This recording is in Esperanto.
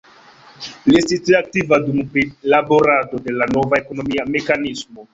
Li estis tre aktiva dum prilaborado de la nova ekonomia mekanismo.